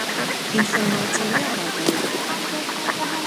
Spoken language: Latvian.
Informācija ir jāpārbauda.